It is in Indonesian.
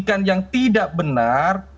karena penyidikan yang tidak benar